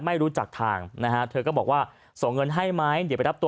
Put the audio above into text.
สุดท้ายตัดสินใจเดินทางไปร้องทุกข์การถูกกระทำชำระวจริงและตอนนี้ก็มีภาวะซึมเศร้าด้วยนะครับ